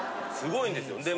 すごいんですよ。